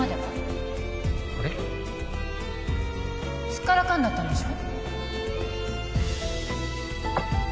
すっからかんだったんでしょ？